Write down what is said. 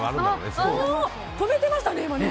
止めてましたね、今ね。